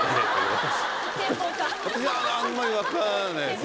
私あんまり分からないっすね・